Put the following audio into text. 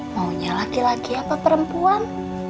maunya laki laki atau perempuan